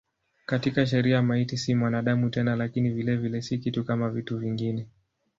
Katika sheria maiti si mwanadamu tena lakini vilevile si kitu kama vitu vingine.